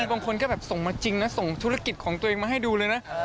บางคนก็แบบส่งมาจริงนะส่งธุรกิจของตัวเองมาให้ดูเลยนะ